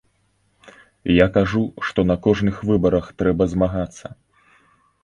Я кажу, што на кожных выбарах трэба змагацца.